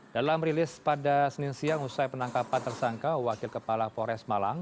dalam rilis pada senin siang usai penangkapan tersangka wakil kepala polres malang